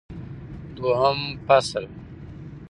دوهم فصل